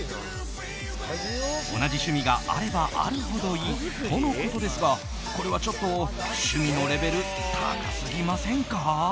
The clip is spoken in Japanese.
同じ趣味があればあるほどいいとのことですがこれはちょっと趣味のレベル高すぎませんか？